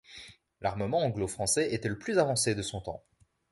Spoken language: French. L'armement anglo-français était le plus avancé de son temps.